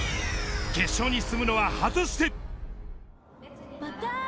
決勝に進むのは果たして。